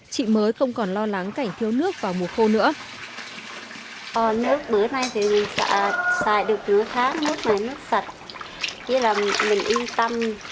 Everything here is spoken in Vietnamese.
chị mới không còn lo lắng cảnh thiếu nước vào mùa khô nữa